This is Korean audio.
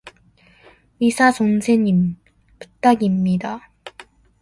의사 선생님, 부탁입니다.